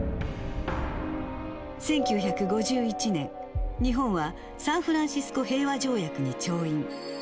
１９５１年、日本はサンフランシスコ平和条約に調印。